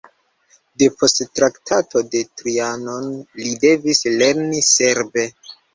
Depost Traktato de Trianon li devis lerni serbe.